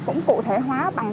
cũng cụ thể hóa bằng